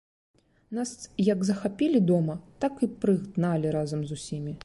Нас як захапілі дома, так і прыгналі разам з усімі.